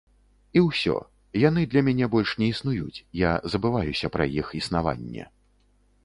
І ўсё, яны для мяне больш не існуюць, я забываюся пра іх існаванне.